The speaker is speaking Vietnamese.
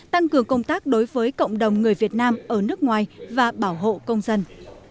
tăng cường công tác đối với cộng đồng người việt nam ở nước ngoài và bảo hộ công dân